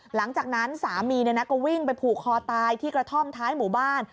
หลังจากนั้นสามีก็วิ่งไปผูกคอตายที่กระท่อมท้ายหมู่บ้าน